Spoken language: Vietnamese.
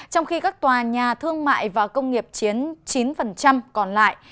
trong khi các tòa nhà thương mại và công nghiệp chiếm chín còn lại